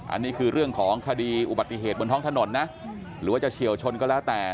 อันนี้คือเรื่องของคดีอุบัติเหตุบนท้องถนนนะหรือว่าจะเฉียวชนก็แล้วแต่